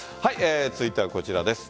続いてはこちらです。